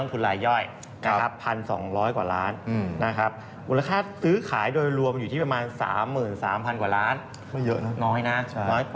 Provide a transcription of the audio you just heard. น้อยกว่าค่าเฉลี่ยนะครับ